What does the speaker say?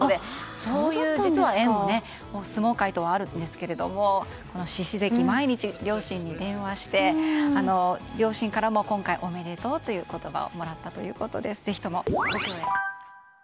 そういう縁も相撲界ではあるんですが獅司関は毎日、両親に電話して両親からもおめでとうという言葉をもらったということです。